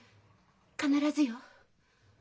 必ずよ。